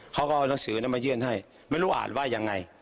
เขาก็เอาหนังสือมายื่นให้ไม่รู้อ่านว่ายังไง